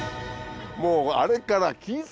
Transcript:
もうあれから。